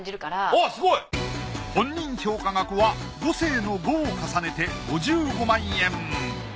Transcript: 本人評価額は五世の５を重ねて５５万円。